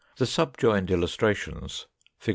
The subjoined illustrations (Fig.